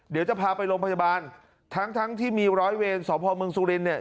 เดี๋ยวจะพาไปโรงพยาบาลทั้งที่มีร้อยเวรสอบภอมเมืองสุรินทร์